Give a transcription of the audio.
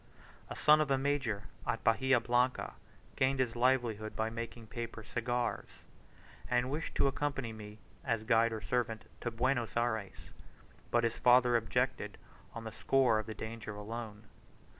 A son of a major at Bahia Blanca gained his livelihood by making paper cigars, and he wished to accompany me, as guide or servant, to Buenos Ayres, but his father objected on the score of the danger alone.